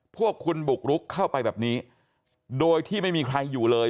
พวกคุณบุกรุกเข้าไปแบบนี้โดยที่ไม่มีใครอยู่เลย